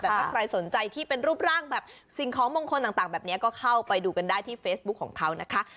แต่ถ้าใครสนใจที่เป็นรูปร่างแบบสิ่งของมงคลต่างแบบนี้ก็เข้าไปดูกันได้ที่เฟซบุ๊คของเขานะคะ